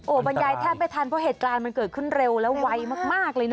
บรรยายแทบไม่ทันเพราะเหตุการณ์มันเกิดขึ้นเร็วแล้วไวมากเลยนะ